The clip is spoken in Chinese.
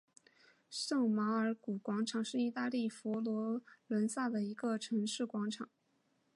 圣马尔谷广场是意大利佛罗伦萨的一个城市广场。